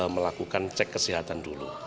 melakukan cek kesehatan dulu